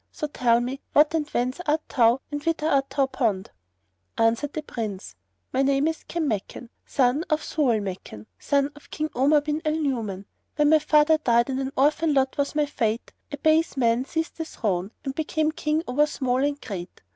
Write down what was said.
So tell me, what and whence art thou and whither art thou bound?" Answered the Prince, "My name is Kanmakan, son of Zau al Makan, son of King Omar bin al Nu'uman. When my father died and an orphan lot was my fate, a base man seized the throne and became King over small and great."